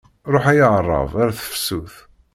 Ruḥ ay aɛrab ar tafsut!